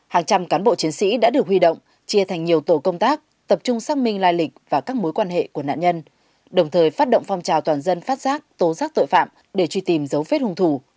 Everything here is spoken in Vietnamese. hàng trăm cán bộ chiến sĩ đã được huy động chia thành nhiều tổ công tác tập trung xác minh lai lịch và các mối quan hệ của nạn nhân đồng thời phát động phong trào toàn dân phát giác tố giác tội phạm để truy tìm dấu vết hung thủ